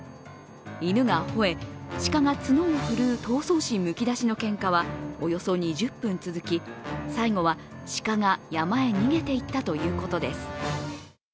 犬がほえ、鹿が角を振るう闘争心むき出しのけんかはおよそ２０分続き、最後は鹿が山へ逃げていったということです。